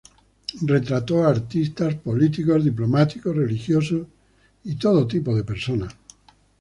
Retrató a artistas, políticos, diplomáticos, religiosos y todo tipo de personas.